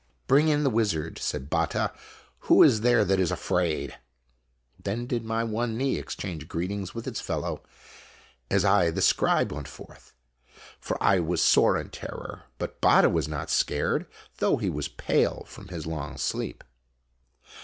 "Bring in the wizard," said Batta, "who is there that is afraid ?" Then did my one knee exchange greetings with its fellow, as I the scribe went forth. For I was sore in terror, but Batta was not scared, though he was pale from his long sleep.